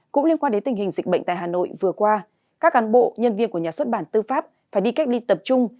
cũng liên quan đến tình hình dịch bệnh tại hà nội vừa qua các cán bộ nhân viên của nhà xuất bản tư pháp phải đi cách ly tập trung